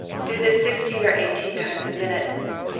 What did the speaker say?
Do this sixteen or eigh teen times a minute.